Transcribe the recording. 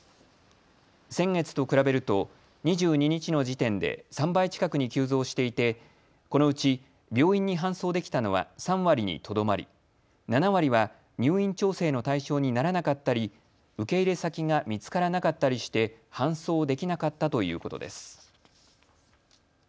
先月と比べると２２日の時点で３倍近くに急増していてこのうち病院に搬送できたのは３割にとどまり、７割は入院調整の対象にならなかったり受け入れ先が見つからなかったりして搬送できなかったということです。